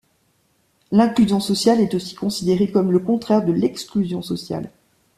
L'inclusion sociale est aussi considérée comme le contraire de l'exclusion sociale.